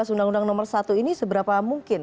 undang undang nomor satu ini seberapa mungkin